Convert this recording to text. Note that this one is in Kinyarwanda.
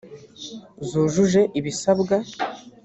zujuje ibisabwa